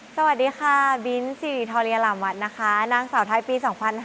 สวัสดีค่ะบิ๊นซีริโทเรียลามวัดนะคะนางสาวไทยปี๒๕๖๒